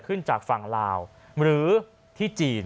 ขึ้นจากฝั่งลาวหรือที่จีน